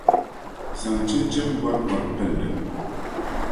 zaŋ chinchin’ bɔribɔri pili li.